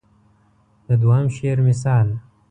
د دوهم شعر مثال.